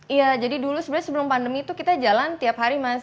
iya jadi dulu sebenarnya sebelum pandemi itu kita jalan tiap hari mas